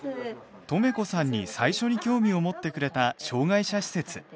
とめこさんに最初に興味を持ってくれた障がい者施設。